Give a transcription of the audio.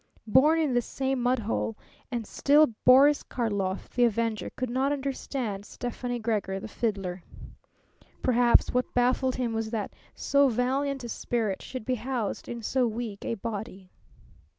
Born in the same mudhole, and still Boris Karlov the avenger could not understand Stefani Gregor the fiddler. Perhaps what baffled him was that so valiant a spirit should be housed in so weak a body.